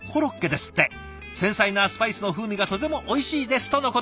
「繊細なスパイスの風味がとてもおいしいです」とのこと。